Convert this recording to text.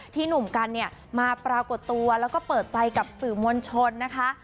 หนุ่มกันเนี่ยมาปรากฏตัวแล้วก็เปิดใจกับสื่อมวลชนนะคะ